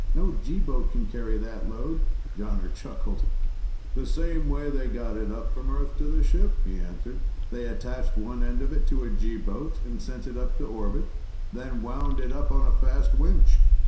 "No G boat can carry that load." Jonner chuckled. "Same way they got it up from Earth to the ship," he answered. "They attached one end of it to a G boat and sent it up to orbit, then wound it up on a fast winch.